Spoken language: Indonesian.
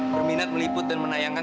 berminat meliput dan menayangkan